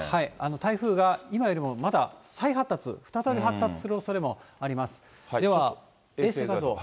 台風が今よりもまだ再発達、再び発達するおそれもあります。